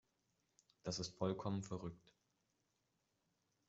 Das ist vollkommen verrückt.